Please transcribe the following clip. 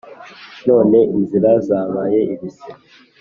none inzira zabaye ibisibe.